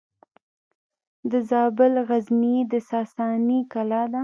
د زابل غزنیې د ساساني کلا ده